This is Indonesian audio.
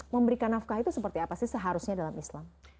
memberikan nafkah itu seperti apa sih seharusnya dalam islam